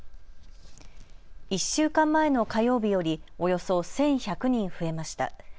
１週間前の火曜日よりおよそ１１００人増えました。